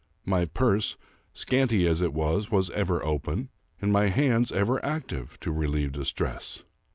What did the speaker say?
My purse, scanty as it was, was ever open, and my hands ever active, to relieve distress.